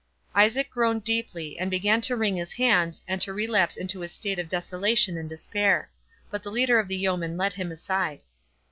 Isaac groaned deeply, and began to wring his hands, and to relapse into his state of desolation and despair. But the leader of the yeomen led him aside.